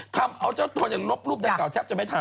ทำเอาเจ้าตัวหนึ่งลบรูปดั้งกล่าวแทบจะไม่ทำ